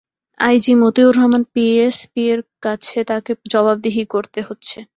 I G Motiur Rahman P S পির কাছে তাঁকে জবাবদিহি করতে হচ্ছে।